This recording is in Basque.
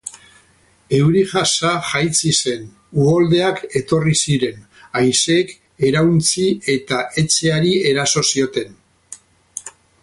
Euri-jasa jaitsi zen, uholdeak etorri ziren, haizeek erauntsi eta etxe hari eraso zioten.